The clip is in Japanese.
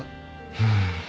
うん。